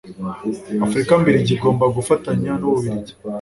afurika mbiligi igomba gufatanya n'ububiligi